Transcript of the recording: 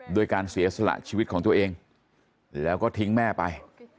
ด้วยการเสียสละชีวิตของตัวเองแล้วก็ทิ้งแม่ไป